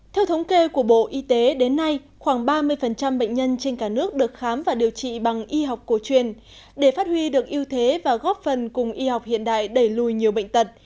theo thống kê của bộ y tế đến nay khoảng ba mươi bệnh nhân trên cả nước được khám và điều trị bằng y học cổ truyền để phát huy được yêu thế và góp phần cùng y học hiện đại đẩy lùi nhiều bệnh tật